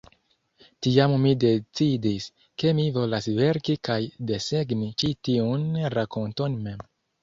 Tiam mi decidis, ke mi volas verki kaj desegni ĉi tiun rakonton mem.